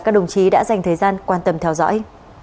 các đồng chí đã dành thời gian quan tâm theo dõi